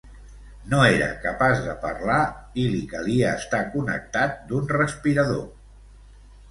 No era capaç de parlar i li calia estar connectat d'un respirador.